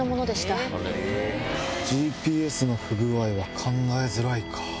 ＧＰＳの不具合は考えづらいか。